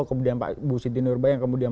kemudian pak bu siti nurbayang kemudian